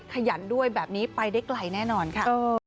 ขยันด้วยแบบนี้ไปได้ไกลแน่นอนค่ะ